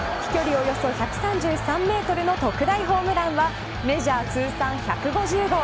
およそ１３３メートルの特大ホームランはメジャー通算１５０号。